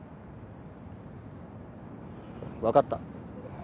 分かった。